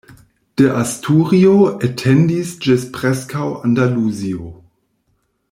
De Asturio etendis ĝis preskaŭ Andaluzio.